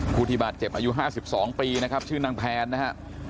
ผู้ที่บาดเจ็บอายุ๕๒ปีนะครับชื่อนางแพนนะฮะ